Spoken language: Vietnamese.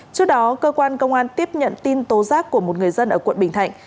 trước đó cơ quan công an tiếp nhận tin tố giác của một người dân ở quận bình thạnh